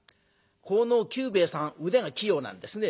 この久兵衛さん腕が器用なんですね。